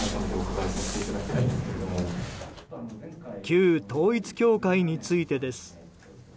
旧統一教会についてです。